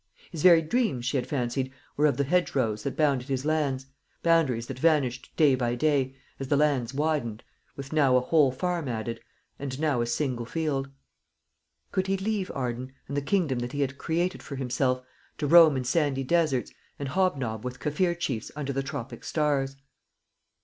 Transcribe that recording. His very dreams, she had fancied, were of the hedgerows that bounded his lands boundaries that vanished day by day, as the lands widened, with now a whole farm added, and now a single field. Could he leave Arden, and the kingdom that he had created for himself, to roam in sandy deserts, and hob and nob with Kaffir chiefs under the tropic stars?